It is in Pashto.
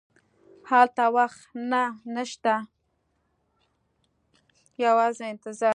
هلته وخت نه شته، یوازې انتظار.